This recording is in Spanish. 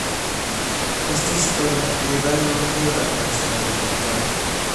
Esta historia, le da el nombre a nuestra localidad.